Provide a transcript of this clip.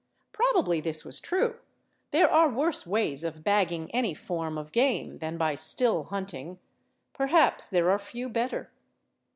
Probably this was true. There are worse ways of bagging any form of game than by "still hunting." Perhaps there are few better.